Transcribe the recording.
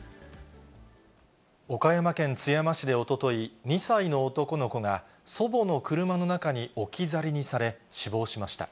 岡山県津山市でおととい、２歳の男の子が祖母の車の中に置き去りにされ、死亡しました。